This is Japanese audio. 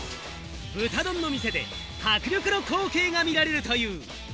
豚丼の店で迫力の光景が見られるという。